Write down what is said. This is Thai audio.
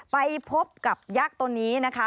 ไปพบกับยักษ์ตัวนี้นะคะ